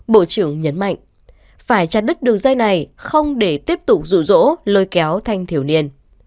bộ trưởng nhấn mạnh phải chặt đứt đường dây này không để tiếp tục rủ rỗ lôi kéo thanh thiếu niên